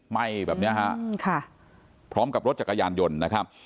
ไหม้แบบเนี้ยฮะพร้อมกับรถจักรยานยนต์นะครับ